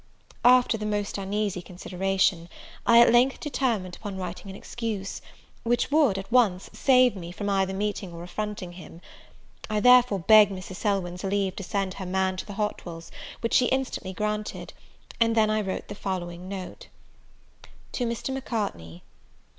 After the most uneasy consideration, I at length determined upon writing an excuse, which would, at once, save me from either meeting or affronting him. I therefore begged Mrs. Selwyn's leave to send her man to the Hotwells, which she instantly granted; and then I wrote the following note: "To Mr. Macartney.